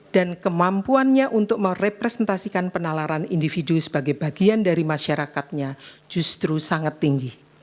dan kemampuannya untuk merepresentasikan penalaran individu sebagai bagian dari masyarakatnya justru sangat tinggi